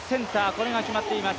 これが決まっています。